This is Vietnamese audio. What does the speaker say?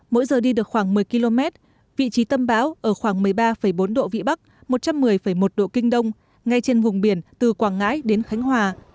mỗi giờ đi được khoảng một mươi km vị trí tâm bão ở khoảng một mươi ba bốn độ vĩ bắc một trăm một mươi một độ kinh đông ngay trên vùng biển từ quảng ngãi đến khánh hòa